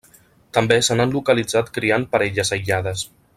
També se n'han localitzat criant parelles aïllades.